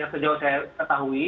sejauh saya ketahui